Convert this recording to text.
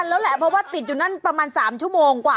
เฮ่ยคือเที่ยวเพลินจน